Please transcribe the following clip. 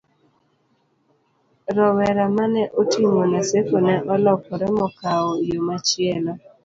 rowera mane oting'o Naseko ne olokore mokawo yo machielo